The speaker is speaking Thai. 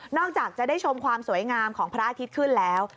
จากจะได้ชมความสวยงามของพระอาทิตย์ขึ้นแล้ว